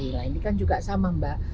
nah ini kan juga sama mbak